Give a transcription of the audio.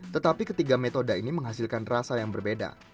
tetapi ketiga metode ini menghasilkan rasa yang berbeda